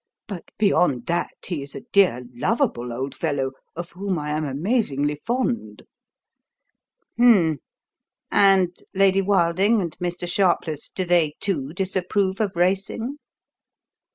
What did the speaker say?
But, beyond that, he is a dear, lovable old fellow, of whom I am amazingly fond." "Hum m m! And Lady Wilding and Mr. Sharpless do they, too, disapprove of racing?"